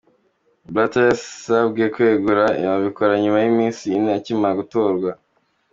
Blatter yasabwe kwegura, abikora nyuma y’iminsi ine akimara gutorwa.